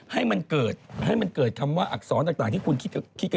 ให้มันเกิดคำว่าอักษรต่างที่คุณคิดเกินออกไว้